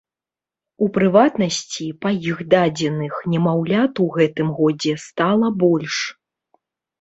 У прыватнасці, па іх дадзеных, немаўлят у гэтым годзе стала больш.